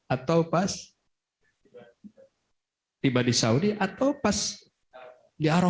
atau pas tiba di saudi atau pas di aroma